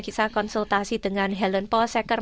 kita konsultasi dengan helen paul secker